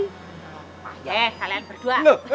eh kalian berdua